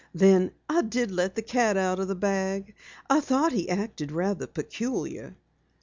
Then I did let the cat out of the bag. I thought he acted rather peculiar."